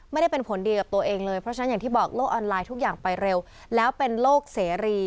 ไม่ได้เป็นผลดีกับตัวเองเลยเพราะฉะนั้นอย่างที่บอกโลกออนไลน์ทุกอย่างไปเร็วแล้วเป็นโลกเสรี